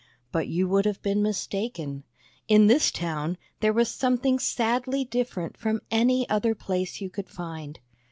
But you would have been mis taken. In this town there was something sadly different from any other place you could find.